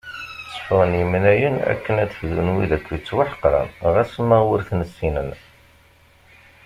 Tteffɣen imnayen akken ad d-fdun wid akk yettwaḥeqren ɣas ma ur ten-ssinen.